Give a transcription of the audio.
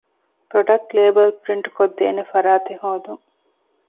ޕްރޮޑަކްޓް ލޭބަލް ޕްރިންޓްކޮށްދޭނެ ފަރާތެއް ހޯދުން